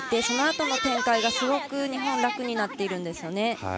そのあとの展開がすごく日本は楽になっているんですよね。